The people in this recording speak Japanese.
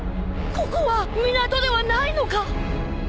ここは港ではないのか！？